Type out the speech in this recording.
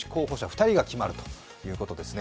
２人が決まるということですね。